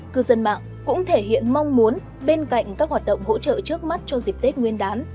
cư dân mạng cũng thể hiện mong muốn bên cạnh các hoạt động hỗ trợ trước mắt cho dịp tết nguyên đán